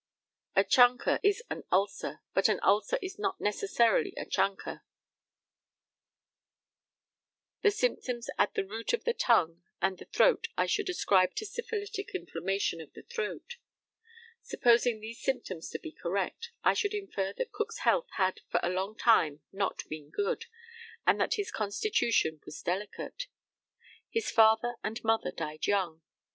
A chancre is an ulcer, but an ulcer is not necessarily a chancre. The symptoms at the root of the tongue and the throat I should ascribe to syphilitic inflammation of the throat. Supposing these symptoms to be correct, I should infer that Cook's health had for a long time not been good, and that his constitution was delicate. His father and mother died young.